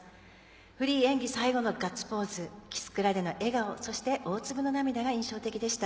フリー演技最後のガッツポーズキスクラでの笑顔そして大粒の涙が印象的でした。